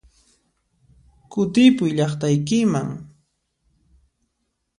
Kutipuy llaqtaykiman!